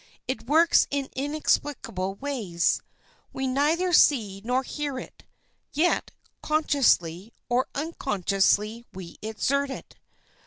It works in inexplicable ways. We neither see nor hear it, yet, consciously or unconsciously, we exert it.